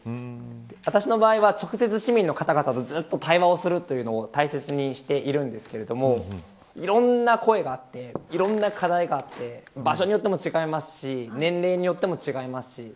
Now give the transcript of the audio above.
私の場合は、直接市民の方々と対話をすることを大切にしているんですけどいろいろな声があっていろいろな課題があって場所によっても違いますし年齢によっても違います。